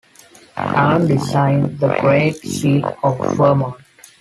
Allen designed the Great Seal of Vermont.